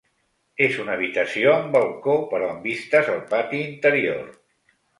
És una habitació amb balcó però amb vistes al pati interior.